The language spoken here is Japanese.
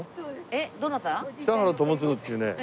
えっどなた？